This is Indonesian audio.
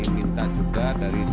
minta juga dari